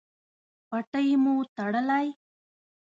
پټۍ مو تړلی؟